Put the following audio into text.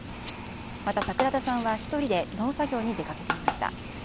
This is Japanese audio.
また、桜田さんは１人で農作業に出かけていました。